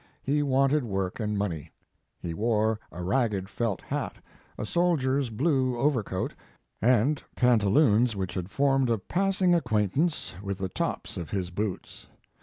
He wanted work and money. He wore a ragged felt hat, a soldier s blue over coat, and pantaloons which had formed a passing acquaintance with the tops of his boots.